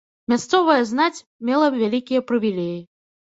Мясцовая знаць мела вялікія прывілеі.